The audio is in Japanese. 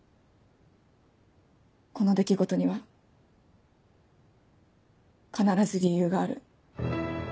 この出来事には必ず理由がある。